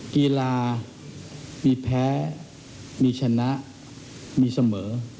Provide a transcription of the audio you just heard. กีฬามีแพ้มีชนะมีเสมอ